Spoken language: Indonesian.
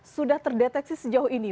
sudah terdeteksi sejauh ini